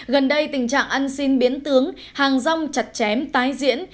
gần đây tình trạng ăn xin biến tướng hàng rong chặt chém tái diễn